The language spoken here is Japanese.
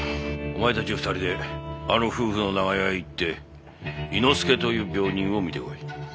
お前たち２人であの夫婦の長屋へ行って猪之助という病人を診てこい。